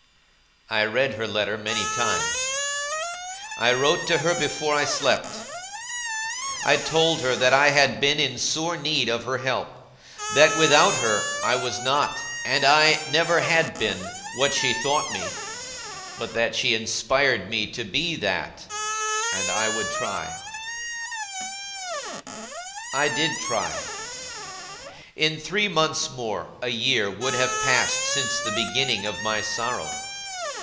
I read her letter many times. I wrote to her before I slept. I told her that I had been in sore need of her help; that without her I was not, and I never had been, what she thought me; but that she inspired me to be that, and I would try. I did try. In three months more, a year would have passed since the beginning of my sorrow.